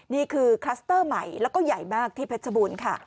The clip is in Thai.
คลัสเตอร์ใหม่แล้วก็ใหญ่มากที่เพชรบูรณ์ค่ะ